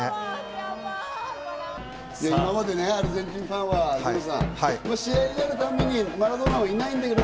今までアルゼンチンファンは、試合があるたびにマラドーナはいないんだけど、